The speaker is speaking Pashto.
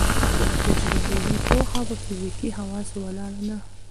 تجربوي پوهه په فزیکي حواسو ولاړه ده.